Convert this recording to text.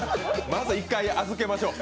まず１回預けましょう。